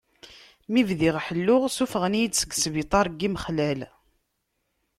Mi bdiɣ ḥelluɣ, suffɣen-iyi-d seg sbiṭar n yimexlal.